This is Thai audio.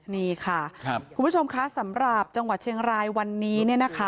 นี่ค่ะคุณผู้ชมคะสำหรับจังหวัดเชียงรายวันนี้เนี่ยนะคะ